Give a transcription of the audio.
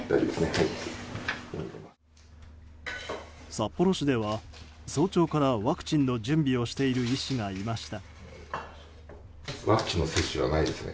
札幌市では早朝からワクチンの準備をしている医師がいました。